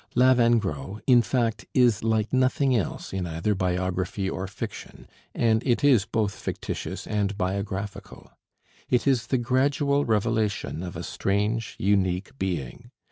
'Lavengro,' in fact, is like nothing else in either biography or fiction and it is both fictitious and biographical. It is the gradual revelation of a strange, unique being.